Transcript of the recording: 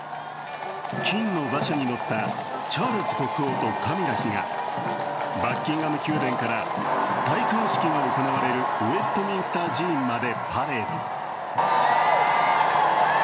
金の馬車に乗ったチャールズ国王とカミラ妃がバッキンガム宮殿から戴冠式が行われるウェストミンスター寺院までパレード。